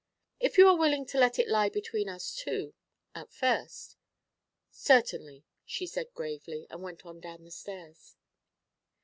'If you are willing to let it lie between us two at first?' 'Certainly,' she said gravely, and went on down the stairs.